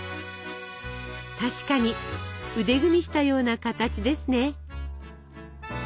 確かに腕組みしたような形ですね。